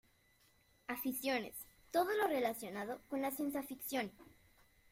Aficiones: Todo lo relacionado con la Ciencia-Ficción.